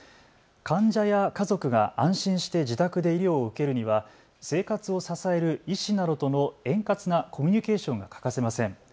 患者や家族が安心して自宅で医療を受けるには生活を支える医師などとの円滑なコミュニケーションが欠かせません。